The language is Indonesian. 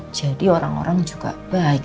jadi orang orang juga baik